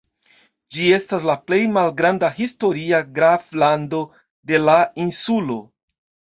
Ĝi estas la plej malgranda historia graflando de la insulo.